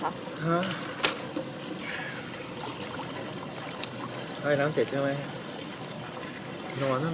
ว่ายน้ำเสร็จใช่ไหมนอนหน่อยได้เคยสัมผัสที่นอนลุ่มนึง